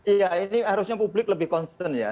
iya ini harusnya publik lebih konsisten ya